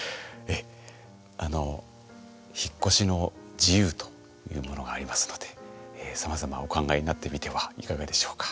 あの引っ越しの自由というものがありますのでさまざまお考えになってみてはいかがでしょうか。